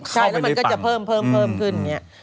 ใช่แล้วมันก็จะเพิ่มขึ้นอย่างนี้